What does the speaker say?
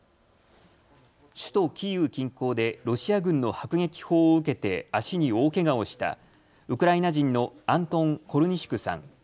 首都キーウ近郊でロシア軍の迫撃砲を受けて脚に大けがをしたウクライナ人のアントン・コルニシュクさん。